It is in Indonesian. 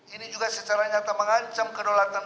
ini juga secara nyata mengancam kedolatan dan keamanan